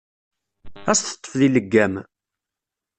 Ad as-teṭṭef deg leggam.